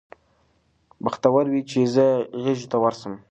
بختور وي چي یې زه غیږي ته ورسم